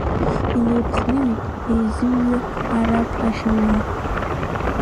Инеиԥхныҩт, еизыҩҩы Араԥ ахь ауаа.